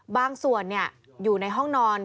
บางส่วนอยู่ในห้องนอน